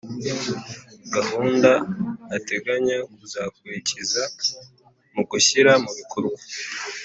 gahunda ateganya kuzakurikiza mu gushyira mu bikorwa